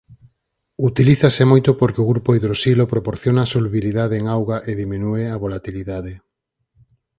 Utilízase moito porque o grupo hidroxilo proporciona solubilidade en auga e diminúe a volatilidade.